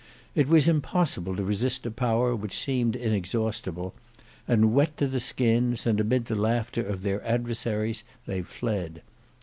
It was impossible to resist a power which seemed inexhaustible, and wet to the skins and amid the laughter of their adversaries they fled.